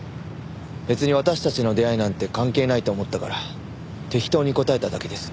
別に私たちの出会いなんて関係ないと思ったから適当に答えただけです。